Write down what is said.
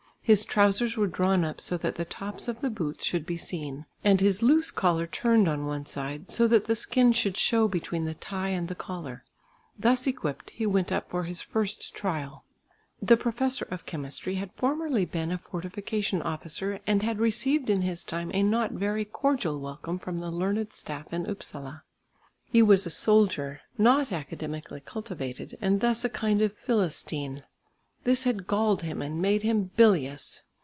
His trousers were drawn up so that the tops of the boots should be seen and his loose collar turned on one side, so that the skin should show between the tie and the collar. Thus equipped, he went up for his first trial. The professor of chemistry had formerly been a fortification officer, and had received in his time a not very cordial welcome from the learned staff in Upsala. He was a soldier, not academically cultivated, and thus a kind of "Philistine." This had galled him and made him bilious.